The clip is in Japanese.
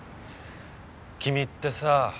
君ってさ。